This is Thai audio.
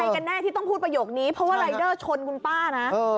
กันแน่ที่ต้องพูดประโยคนี้เพราะว่ารายเดอร์ชนคุณป้านะ